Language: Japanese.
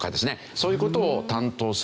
そういう事を担当する省庁。